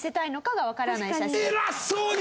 偉そうに！